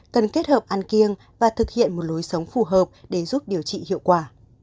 cần kết hợp ăn kiêng và thực hiện một lối sống phù hợp để giúp điều trị hiệu quả